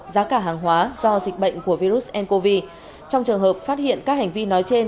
giá cả hàng hóa do dịch bệnh của virus ncov trong trường hợp phát hiện các hành vi nói trên